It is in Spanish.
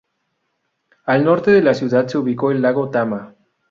Al norte de la ciudad se ubica el lago Tama.